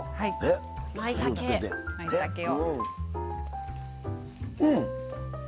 うん！